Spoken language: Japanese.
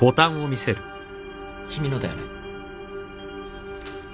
君のだよね。